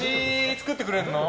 作ってくれるの？